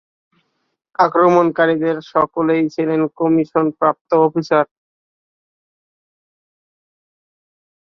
আক্রমণকারীদের সকলেই ছিলেন কমিশনপ্রাপ্ত অফিসার।